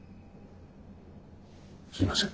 すいません。